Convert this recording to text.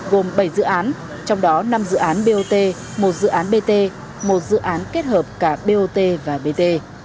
gồm bảy dự án trong đó năm dự án bot một dự án bt một dự án kết hợp cả bot và bt